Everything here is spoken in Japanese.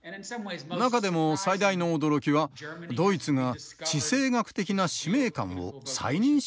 中でも最大の驚きはドイツが地政学的な使命感を再認識していることです。